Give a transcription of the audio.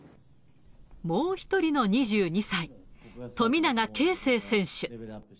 もう一人の２２歳、富永啓生選手。